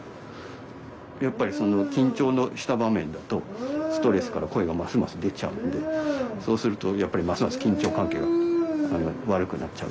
やっぱりその緊張した場面だとストレスから声がますます出ちゃうんでそうするとやっぱりますます緊張関係が悪くなっちゃう。